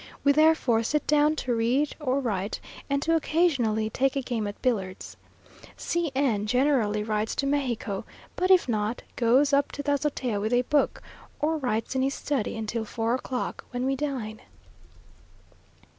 We therefore sit down to read or write, and do occasionally take a game at billiards. C n generally rides to Mexico, but if not, goes up to the azotea with a book, or writes in his study until four o'clock, when we dine.